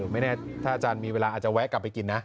ไม่แน่ถ้าอาจารย์มีเวลาอาจจะแวะกลับไปกินนะ